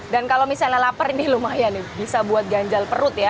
dan kalau misalnya lapar ini lumayan bisa buat ganjal perut ya